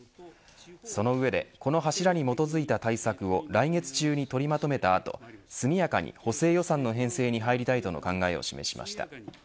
その上でこの柱に基づいた対策を来月中に取りまとめた後速やかに補正予算の編成に入りたいとの考えを示しました。